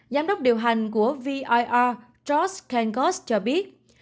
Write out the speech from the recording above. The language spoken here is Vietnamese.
giám đốc điều hành của vir josh kangos cho biết